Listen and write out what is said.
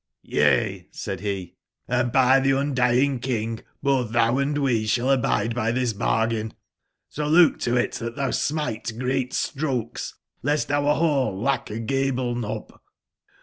''j^ ''Y^^/' said be, ''& by theClndying King, both thou and we sball abide by this bargain. So look to it that thou smite great strokes, lest our hall lack a gable knop.